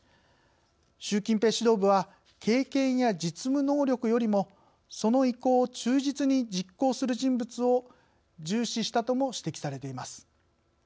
習近平指導部は経験や実務能力よりもその意向を忠実に実行する人物を重視したとも指摘されています。